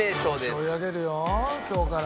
よし追い上げるよ今日から。